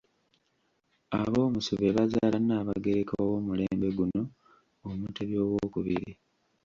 Aboomusu be bazaala Nnaabagereka ow’omulembe guno Omutebi owookubiri.